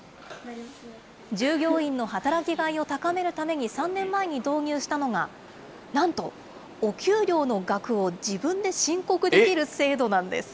従業員の働きがいを高めるために、３年前に導入したのがなんと、お給料の額を自分で申告できる制度なんです。